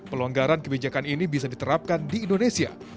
pelonggaran kebijakan ini bisa diterapkan di indonesia